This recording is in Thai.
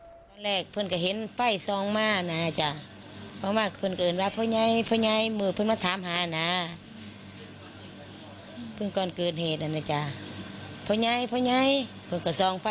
คนแน่นอย่างเดินถึงพอมันจะพบบันเกินไปต้องเล่นจริง